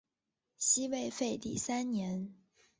西魏废帝三年。